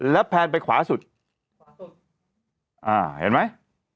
แล้วแพนไปขวาสุดคร้อสุดอ่าเห็นไหม